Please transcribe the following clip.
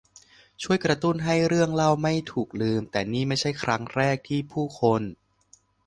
ช่วยกระตุ้นให้เรื่องเล่าไม่ถูกลืม แต่นี่ไม่ใช่ครั้งแรกที่ผู้คน